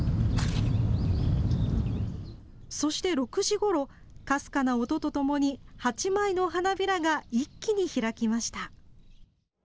そして６時ごろかすかな音とともに８枚の花びらが一気に開きました。